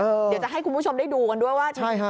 เดี๋ยวจะให้คุณผู้ชมได้ดูกันด้วยว่า